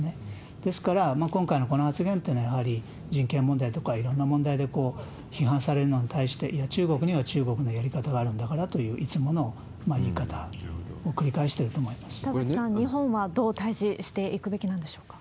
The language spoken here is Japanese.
ですから、今回のこの発言というのは、やはり人権問題とか、いろんな問題で批判されるのに対して、いや、中国には中国のやり方があるんだからという、いつもの言い方を繰り返してると思いま田崎さん、日本はどう対峙していくべきなんでしょうか？